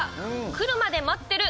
「くるまで待ってる」。